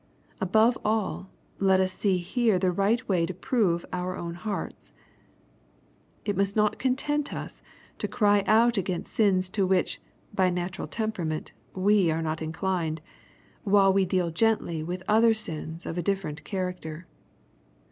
Above all, let us see here the right way to prove our own hearts. It must not content us to cry out against sins to which, by natural tempera ment, we are not inclined, while we deal gently with other sins of a different character.